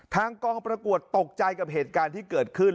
ทางกองประกวดตกใจกับเหตุการณ์ที่เกิดขึ้น